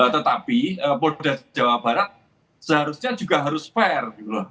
tetapi polda jawa barat seharusnya juga harus fair